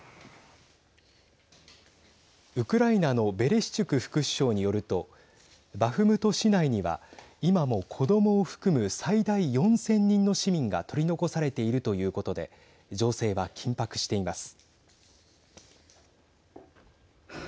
ウクライナのベレシチュク副首相によるとバフムト市内には今も子どもを含む最大４０００人の市民が取り残されているということで情勢は緊迫しています。